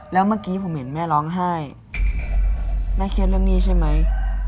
แล้วเมื่อกี้ผมเห็นแม่ร้องไห้แม่เครียดเรื่องหนี้ใช่ไหม